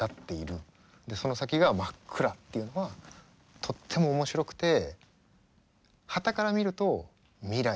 でその先が真っ暗っていうのはとっても面白くてはたから見ると未来がある。